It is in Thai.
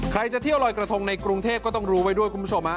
ใครจะเที่ยวลอยกระทงในกรุงเทพก็ต้องรู้ไว้ด้วยคุณผู้ชมฮะ